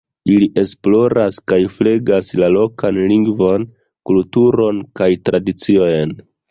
Ili esploras kaj flegas la lokan lingvon, kulturon kaj tradiciojn.